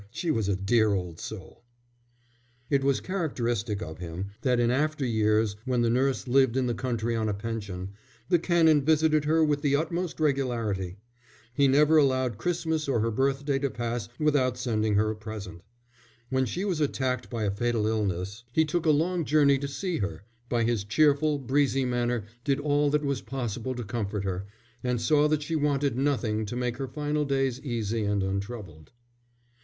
She was a dear old soul." It was characteristic of him that in after years, when the nurse lived in the country on a pension, the Canon visited her with the utmost regularity. He never allowed Christmas or her birthday to pass without sending her a present. When she was attacked by a fatal illness he took a long journey to see her, by his cheerful, breezy manner did all that was possible to comfort her, and saw that she wanted nothing to make her final days easy and untroubled.